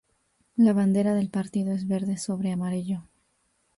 La bandera del partido es verde sobre amarillo.